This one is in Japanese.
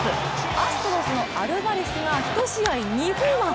アストロズのアルバレスが１試合２ホーマー。